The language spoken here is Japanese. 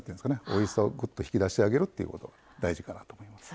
おいしさをグッと引き出してあげるっていうことが大事かなと思います。